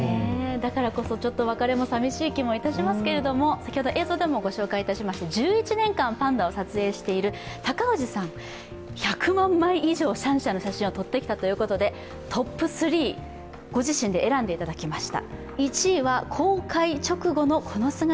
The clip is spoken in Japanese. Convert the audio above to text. だからこそ、ちょっと別れも寂しい気もいたしますけど、先ほど映像でもご紹介しました、１１年間、パンダを撮影している高氏さん、１００万枚以上シャンシャンの写真を撮ってきたということでトップ３、ご自身で選んでいただきました。